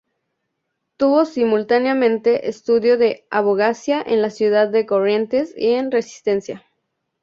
Tuvo simultáneamente estudio de abogacía en la ciudad de Corrientes y en Resistencia.